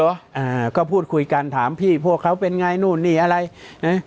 อ่าก็พูดคุยกันถามพี่พวกเขาเป็นไงนู่นนี่อะไรนะ